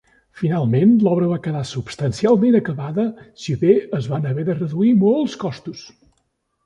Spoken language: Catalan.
Finalment, l'obra va quedar substancialment acabada, si bé es van haver de reduir molts costos.